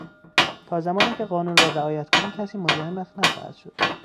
تا زمانی که قانون را رعایت کنی کسی مزاحمت نخواهد شد.